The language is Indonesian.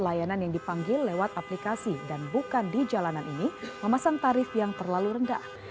layanan yang dipanggil lewat aplikasi dan bukan di jalanan ini memasang tarif yang terlalu rendah